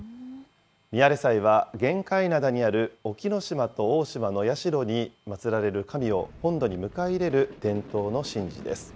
みあれ祭は玄界灘にある沖ノ島と大島の社に祭られる神を本土に迎え入れる伝統の神事です。